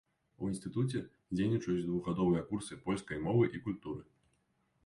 У інстытуце дзейнічаюць двухгадовыя курсы польскай мовы і культуры.